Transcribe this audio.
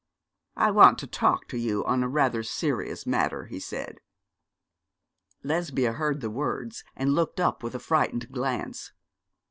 'I want to talk to you on a rather serious matter,' he said. Lesbia heard the words, and looked up with a frightened glance.